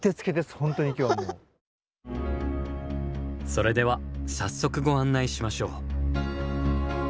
それでは早速ご案内しましょう。